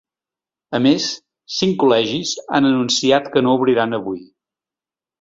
A més, cinc col·legis han anunciat que no obriran avui.